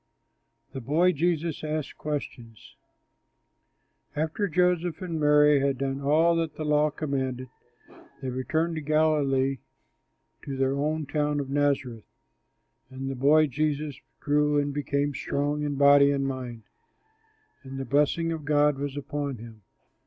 THE BOY JESUS ASKS QUESTIONS After Joseph and Mary had done all that the law commanded, they returned to Galilee to their own town of Nazareth. And the boy Jesus grew and became strong in body and mind. And the blessing of God was upon him.